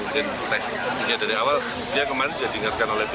dan ini dari awal dia kemarin sudah diingatkan oleh b tujuh